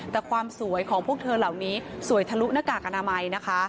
แต่ความสวยของพวกเธอเหล่านี้สวยทะลุหน้ากากอนามัยนะคะ